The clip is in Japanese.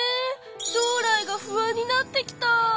将来が不安になってきた。